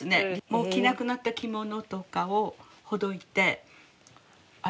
もう着なくなった着物とかをほどいて洗って。